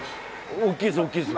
大きいです、大きいです。